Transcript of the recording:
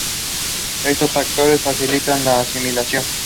Estos factores facilitan la asimilación.